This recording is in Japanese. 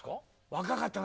若かったな。